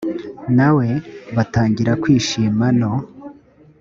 na we batangira kwishima no